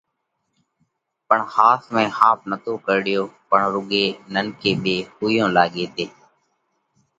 پڻ ۿاس ۾ ۿاپ نتو ڪرڙيو پڻ رُوڳي ننڪي ٻي ۿُوئيون لاڳي تي۔